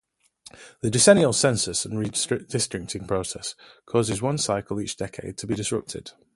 The decennial census and redistricting process causes one cycle each decade to be disrupted.